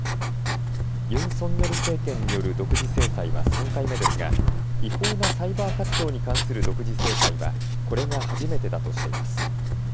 ユン・ソンニョル政権による独自制裁は３回目ですが違法なサイバー活動に関する独自制裁はこれが初めてだとしています。